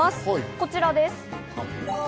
こちらです。